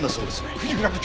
藤倉部長！